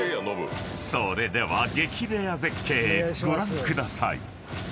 ［それでは激レア絶景ご覧ください］